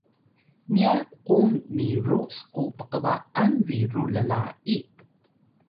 niya kung miru sku pkba’an biru lla’i